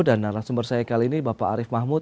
dan narasumber saya kali ini bapak arief mahmud